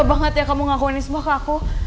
tega banget ya kamu ngakuin semua ke aku